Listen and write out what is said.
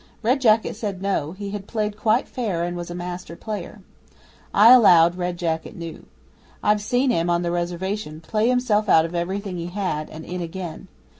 Red Jacket said no he had played quite fair and was a master player. I allow Red Jacket knew. I've seen him, on the Reservation, play himself out of everything he had and in again.